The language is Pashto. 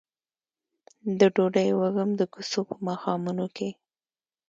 د ډوډۍ وږم د کوڅو په ماښامونو کې